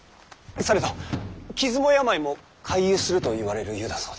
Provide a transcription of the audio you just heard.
されど傷も病も快癒するといわれる湯だそうで。